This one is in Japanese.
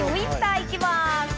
行きます。